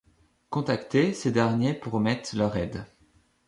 Contactés, ces derniers promettent leur aide.